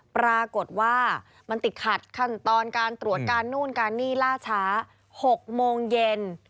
ปรากฏว่ามันติดขัดขั้นตอนการตรวจการนู่นการนี่ล่าช้า๖โมงเย็น